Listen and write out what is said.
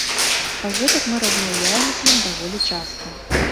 Гэтак мы размаўляем з ім даволі часта.